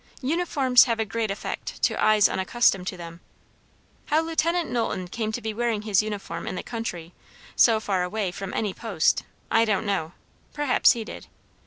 Uniforms have a great effect, to eyes unaccustomed to them. How Lieut. Knowlton came to be wearing his uniform in the country, so far away from any post, I don't know; perhaps he did.